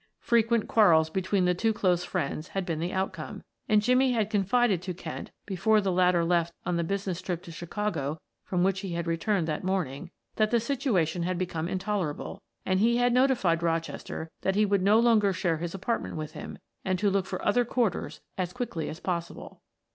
Frequent quarrels between the two close friends had been the outcome, and Jimmie had confided to Kent, before the latter left on the business trip to Chicago from which he had returned that morning, that the situation had become intolerable and he had notified Rochester that he would no longer share his apartment with him, and to look for other quarters as quickly as possible.